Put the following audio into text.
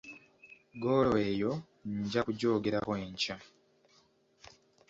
Ggoolo eyo nja kugyogerako enkya.